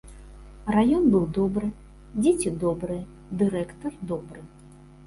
Раён быў добры, дзеці добрыя, дырэктар добры.